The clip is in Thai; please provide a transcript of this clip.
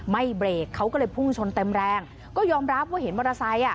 เบรกเขาก็เลยพุ่งชนเต็มแรงก็ยอมรับว่าเห็นมอเตอร์ไซค์อ่ะ